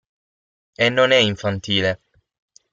E "non" è infantile".